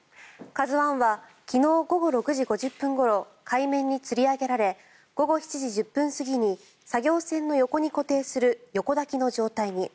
「ＫＡＺＵ１」は昨日午後６時５０分ごろ海面につり上げられ午後７時１０分過ぎに作業船の横に固定する横抱きの状態に。